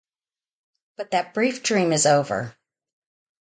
But that brief dream is over.